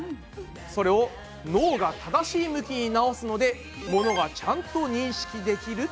それを脳が正しい向きに直すのでモノがちゃんと認識できるってことなんです。